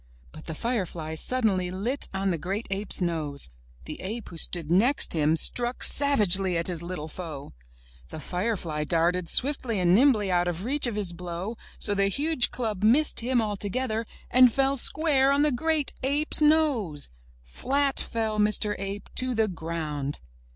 But the firefly sud denly lit on the great ape's nose. The ape who stood next him struck savagely at his little foe. The firefly darted swiftly and nimbly out of reach of his blow, so the huge club missed him altogether and fell square on the great ape's nose! Flat fell Mr. Ape to the ground